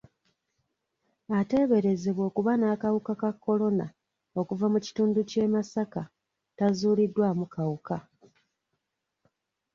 Ateeberezebwa okuba n'akawuka ka kolona okuva mu kitundu ky'e Masaka tazuuliddwamu kawuka.